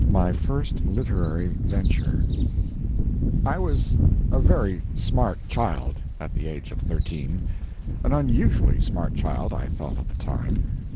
] MY FIRST LITERARY VENTURE I was a very smart child at the age of thirteen an unusually smart child, I thought at the time.